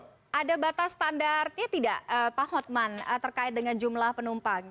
di dalam ya seperti itu mbak ada batas standartnya tidak pak hotman terkait dengan jumlah penumpang